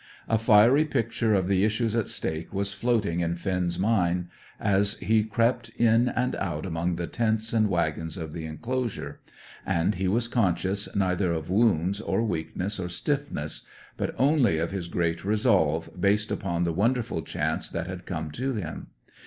A fiery picture of the issues at stake was floating in Finn's mind as he crept in and out among the tents and wagons of the enclosure: and he was conscious neither of wounds, or weakness, or stiffness; but only of his great resolve, based upon the wonderful chance that had come to him.